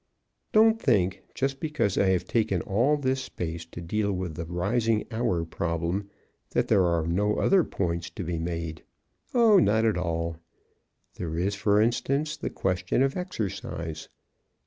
Don't think, just because I have taken all this space to deal with the rising hour problem that there are no other points to be made. Oh, not at all. There is, for instance, the question of exercise.